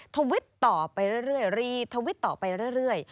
ทวิตต่อไปเรื่อย